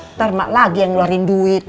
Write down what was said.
ntar lagi yang ngeluarin duit